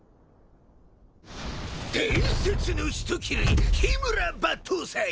伝説の人斬り緋村抜刀斎！